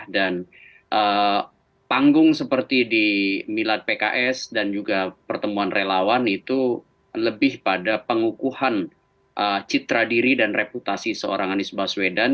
dan panggung seperti di milad pks dan juga pertemuan relawan itu lebih pada pengukuhan citra diri dan reputasi seorang anies baswedan